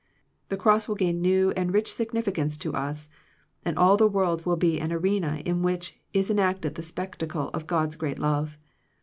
The cross will gain new and rich significance to us, and all the world will be an arena in which is enacted the spectacle of God's great love.